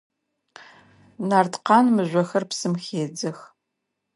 Нарткъан мыжъохэр псым хедзэх.